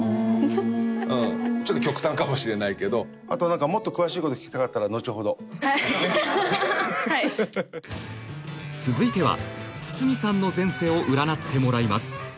うんちょっと極端かもしれないけどあと何かもっと詳しいこと聞きたかったらのちほどはい続いては堤さんの前世を占ってもらいます